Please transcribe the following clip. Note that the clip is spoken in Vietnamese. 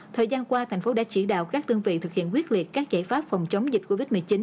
thời gian qua thành phố đã chỉ đạo các đơn vị thực hiện quyết liệt các giải pháp phòng chống dịch covid một mươi chín